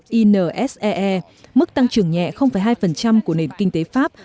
quốc gia pháp insee mức tăng trưởng nhẹ hai của nền kinh tế pháp